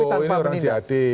kita tahu bahwa ini orang jahat